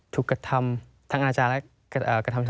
ทุกกระทำทั้งอาจารย์และกระทำชำระ